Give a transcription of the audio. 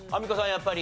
やっぱり。